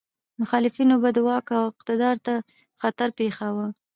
مخالفینو به د واکمنو اقتدار ته خطر پېښاوه.